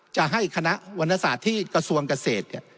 จะให้คณะวรรณสาธิตกระทรวงเกษตร